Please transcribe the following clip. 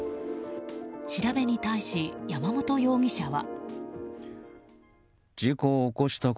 調べに対し、山本容疑者は。